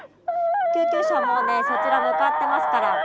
救急車もうねそちら向かってますから。